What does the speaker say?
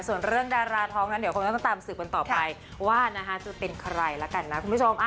ส่วนเรื่องดาราท้องนั้นเดี๋ยวคงต้องตามสืบกันต่อไปว่าจะเป็นใครแล้วกันนะคุณผู้ชม